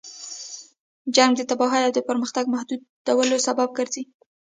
جنګ د تباهۍ او د پرمختګ محدودولو سبب ګرځي.